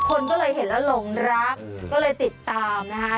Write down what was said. คนก็เลยเห็นแล้วหลงรักก็เลยติดตามนะคะ